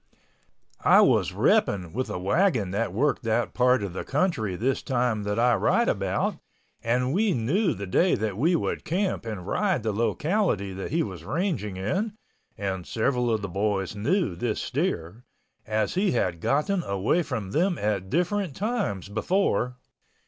I was repping with a wagon that worked that part of the country this time that I write about and we knew the day that we would camp and ride the locality that he was ranging in and several of the boys knew this steer, as he had gotten away from them at different times before.